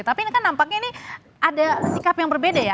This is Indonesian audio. tapi ini kan nampaknya ini ada sikap yang berbeda ya